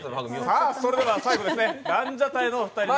最後、ランジャタイのお二人です。